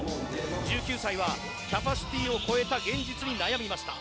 １９歳はキャパシティーを超えた現実に悩みました。